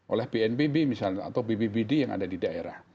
oleh bnpb misalnya atau bbbd yang ada di daerah